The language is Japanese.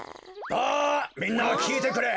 あみんなきいてくれ。